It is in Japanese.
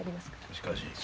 しかし。